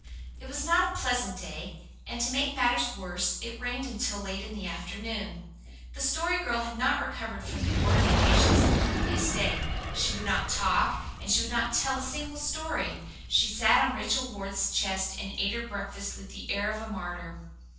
It was not a pleasant day, and to make matters worse it rained until late in the afternoon. The Story Girl had not recovered from the mortifications of the previous day; she would not talk, and she would not tell a single story; she sat on Rachel Ward's chest and ate her breakfast with the air of a martyr.